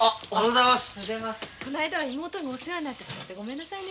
この間は妹がお世話になってしまってごめんなさいね。